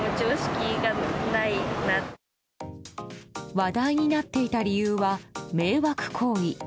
話題になっていた理由は迷惑行為。